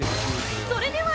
◆それでは！